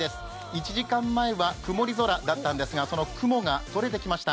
１時間前は曇り空だったんですが、その雲がとれてきました。